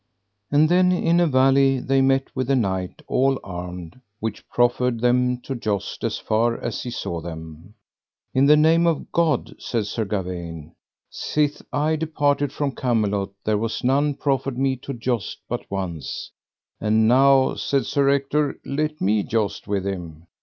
And then in a valley they met with a knight all armed, which proffered them to joust as far as he saw them. In the name of God, said Sir Gawaine, sith I departed from Camelot there was none proffered me to joust but once. And now, sir, said Ector, let me joust with him.